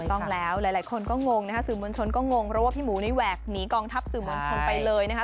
ต้องแล้วหลายคนก็งงนะคะสื่อมวลชนก็งงเพราะว่าพี่หมูนี่แหวกหนีกองทัพสื่อมวลชนไปเลยนะคะ